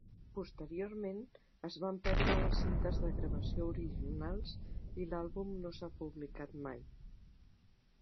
Posteriorment es van perdre les cintes de gravació originals i l'àlbum no s'ha publicat mai.